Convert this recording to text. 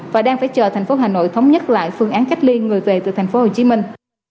và đang phải chờ thành phố hà nội thống nhất lại phương án cách ly người về từ thành phố hồ chí minh